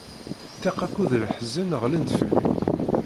Ṭṭiq akked leḥzen ɣlin-d fell-i.